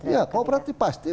iya kooperatif pasti